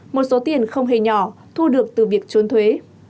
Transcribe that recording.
một số tiền không hề nhỏ thu được từ việc trốn thuế